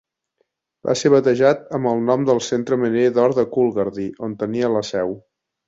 Va ser batejat amb el nom del centre miner d'or de Coolgardie, on tenia la seu.